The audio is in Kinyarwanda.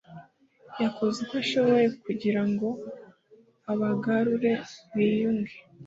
yakoze uko ashoboye kugira ngo abagarure biyunge